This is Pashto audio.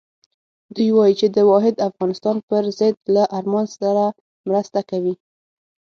دوی وایي چې د واحد افغانستان پر ضد له ارمان سره مرسته کوي.